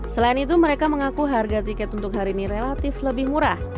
selain itu mereka mengaku harga tiket untuk hari ini relatif lebih murah